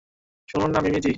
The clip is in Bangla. শুনুন না, মিমি জি?